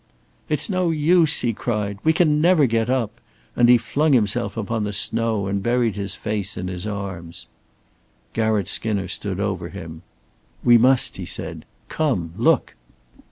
"It's no use," he cried. "We can never get up," and he flung himself upon the snow and buried his face in his arms. Garratt Skinner stood over him. "We must," he said. "Come! Look!"